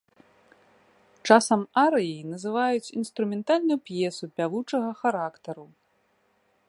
Часам арыяй называюць інструментальную п'есу пявучага характару.